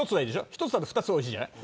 １つあると２つ欲しいじゃない。